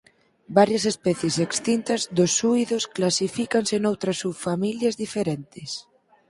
Varias especies extintas dos súidos clasifícanse noutras subfamilias diferentes.